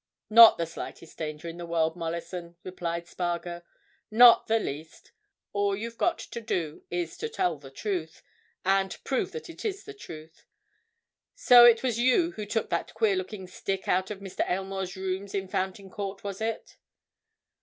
"Not the slightest danger in the world, Mollison," replied Spargo. "Not the least. All you've got to do is to tell the truth—and prove that it is the truth. So it was you who took that queer looking stick out of Mr. Aylmore's rooms in Fountain Court, was it?"